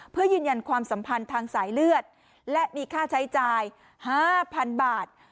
เพื่อยืนยันความสัมพันธ์ทางสายเลือดและมีค่าใช้จ่าย๕๐๐๐บาท